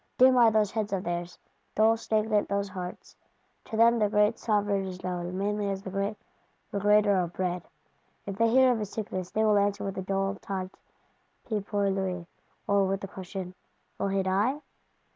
Dim are those heads of theirs, dull stagnant those hearts: to them the great Sovereign is known mainly as the great Regrater of Bread. If they hear of his sickness, they will answer with a dull Tant pis pour lui; or with the question, Will he die?